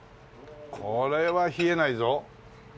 これは冷えないぞ。